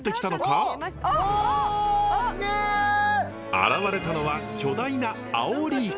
現れたのは巨大なアオリイカ。